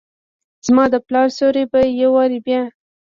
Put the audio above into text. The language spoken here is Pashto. زماد پلار سیوری به ، یو وارې بیا،